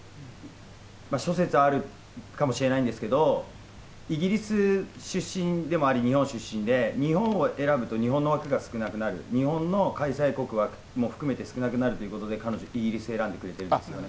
諸説あるかもしれないんですけど、イギリス出身でもあり、日本出身で、日本を選ぶと日本の枠が少なくなる、日本の開催国枠も含めてすくなくなるということで、彼女イギリス選んでくれているんですよね。